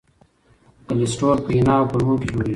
کلسترول په ینه او کولمو کې جوړېږي.